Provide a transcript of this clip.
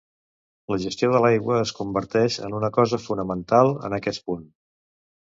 La gestió de l'aigua es converteix en una cosa fonamental en aquest punt.